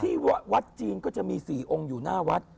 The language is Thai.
ที่วัดจีนก็จะมี๔องค์อยู่หน้าวัด